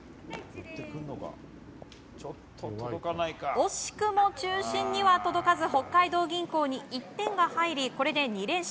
惜しくも中心には届かず北海道銀行に１点が入りこれで２連勝。